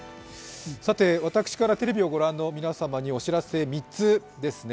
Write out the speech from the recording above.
私からテレビを御覧の皆様にお知らせ３つですね。